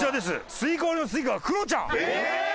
スイカ割りのスイカがクロちゃん。